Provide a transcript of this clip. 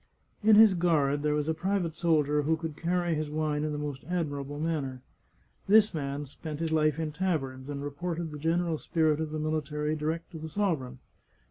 In his guard there was a private soldier who could carry his wine in the most admirable manner. This man spent his life in taverns, and reported the general spirit of the mili tary direct to the sovereign.